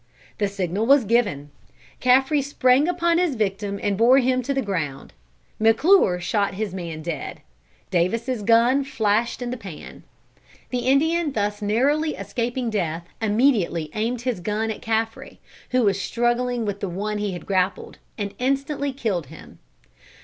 The signal was given. Caffre sprang upon his victim and bore him to the ground. McClure shot his man dead. Davis' gun flashed in the pan. The Indian thus narrowly escaping death immediately aimed his gun at Caffre, who was struggling with the one he had grappled, and instantly killed him.